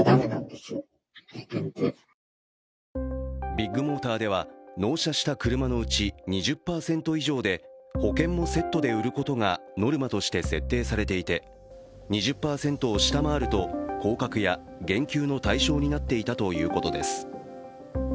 ビッグモーターでは、納車した車のうち２０％以上で保険もセットで売ることがノルマとして設定されていて、２０％を下回ると降格や減給の対象になっていたということです。